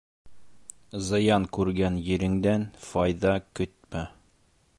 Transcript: Зыян күргән ереңдән файҙа көтмә.